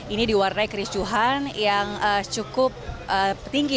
ini diwarnai kericuhan yang cukup tinggi